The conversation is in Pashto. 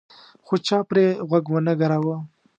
خو چا پرې غوږ ونه ګراوه.